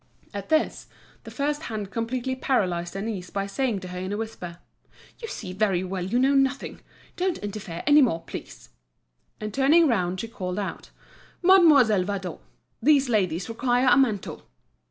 At this, the first hand completely paralysed Denise by saying to her in a whisper: "You see very well you know nothing. Don't interfere any more, please." And turning round she called out: "Mademoiselle Vadon, these ladies require a mantle!"